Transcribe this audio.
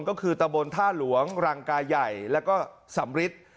ก็คือตำบลท่าหลวงหลังกายใหญ่และก็สำฤต